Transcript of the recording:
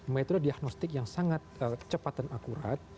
metode diagnostik yang sangat cepat dan akurat